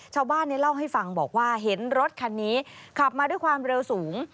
ชาวบ้านเล่าให้ฟังบอกว่าเห็นรถคันนี้ขับมาด้วยความเร็วสูง